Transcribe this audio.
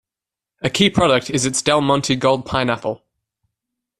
A key product is its Del Monte Gold pineapple.